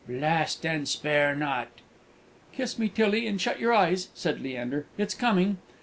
blast, and spare not!" "Kiss me, Tillie, and shut your eyes," said Leander; "it's coming!"